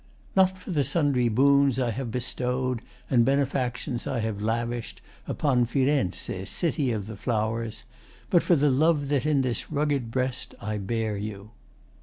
'] Not for the sundry boons I have bestow'd And benefactions I have lavished Upon Firenze, City of the Flowers, But for the love that in this rugged breast I bear you.